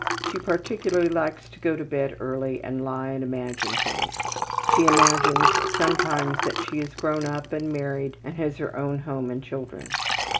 She particularly likes to go to bed early and lie and imagine things. She imagines sometimes that she is grown up and married and has her own home and children.